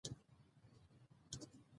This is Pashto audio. ازادي راډیو د سوله کیسې وړاندې کړي.